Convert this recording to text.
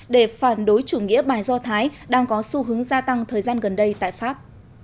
để phản đối chủ nghĩa bài do thái đang có xu hướng gia tăng thời gian gần đây tại pháp